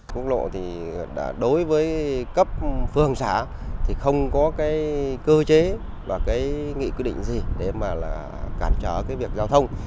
quốc lộ đối với cấp phương xã không có cơ chế và nghị quy định gì để cản trở việc giao thông